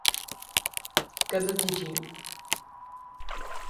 Gazeteciyim.